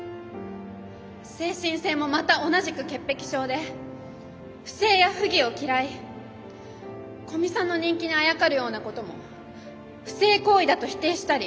精神性もまた同じく潔癖症で不正や不義を嫌い古見さんの人気にあやかるようなことも不正行為だと否定したり。